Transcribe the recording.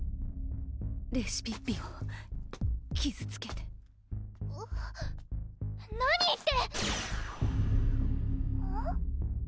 レシピッピを傷つけて何言って！